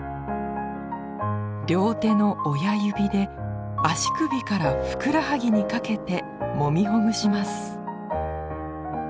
両手の親指で足首からふくらはぎにかけてもみほぐします。